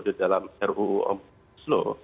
di dalam ruu